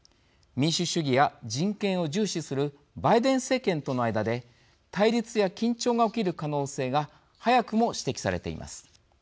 民主主義や人権を重視するバイデン政権との間で対立や緊張が起きる可能性が早くも指摘されています。